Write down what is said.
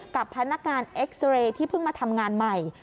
กับพนักงานเอ็กซ์เรย์ที่เพิ่งมาทำงานใหม่